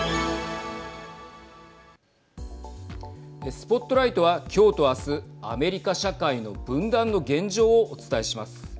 ＳＰＯＴＬＩＧＨＴは今日と明日アメリカ社会の分断の現状をお伝えします。